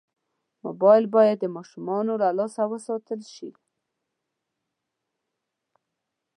موبایل باید د ماشومانو له لاسه وساتل شي.